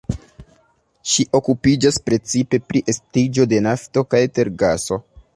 Ŝi okupiĝas precipe pri estiĝo de nafto kaj tergaso.